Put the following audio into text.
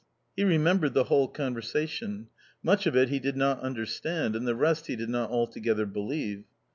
He remembered the whole conversation ; much of it he did not understand, and the rest he did not altogether believe.